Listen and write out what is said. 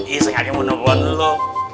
iya sengaja mau nelfon lo